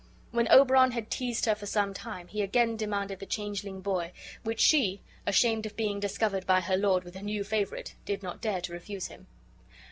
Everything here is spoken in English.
When Oberon had teased her for some time, he again demanded the changeling boy; which she, ashamed of being discovered by her lord with her new favorite, did not dare to refuse him.